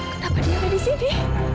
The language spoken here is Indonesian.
kenapa dia ada disini